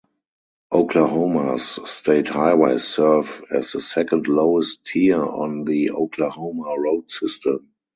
Oklahoma's state highways serve as the second-lowest tier on the Oklahoma road system.